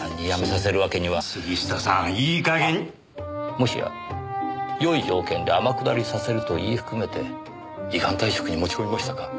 もしやよい条件で天下りさせると言い含めて依願退職に持ち込みましたか。